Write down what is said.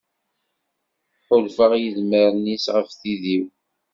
Ḥulfaɣ i tedmarin-is ɣef tid-iw.